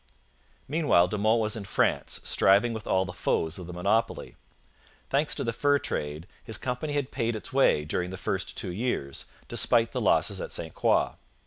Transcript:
Meanwhile De Monts was in France, striving with all the foes of the monopoly. Thanks to the fur trade, his company had paid its way during the first two years, despite the losses at St Croix.